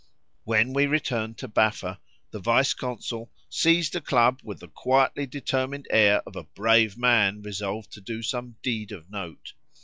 When we returned to Baffa, the vice consul seized a club with the quietly determined air of a brave man resolved to do some deed of note.